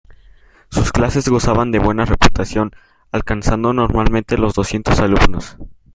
Sus clases gozaban de buena reputación, alcanzando normalmente los doscientos alumnos.